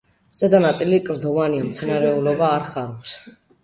ზედა ნაწილი კლდოვანია, მცენარეულობა არ ხარობს.